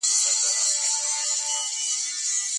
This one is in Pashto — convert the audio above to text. ایا نوي کروندګر وچه مېوه صادروي؟